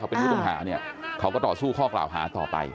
เป็นผู้ต้องหาเนี่ยเขาก็ต่อสู้ข้อกล่าวหาต่อไป